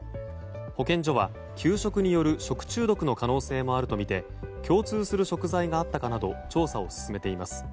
保健所は給食による食中毒の可能性もあるとみて共通する食材があったかなど調査を進めています。